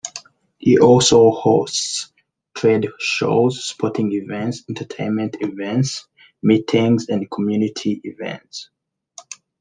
It also hosts trade shows, sporting events, entertainment events, meetings and community events.